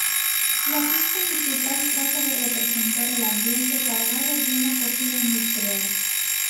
La pieza musical trata de representar el ambiente cargado de una cocina industrial.